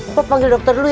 mbak panggil dokter dulu ya